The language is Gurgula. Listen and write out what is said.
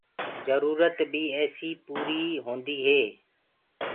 جرورت بيٚ ايسي ئي پوريٚ هونديٚ هي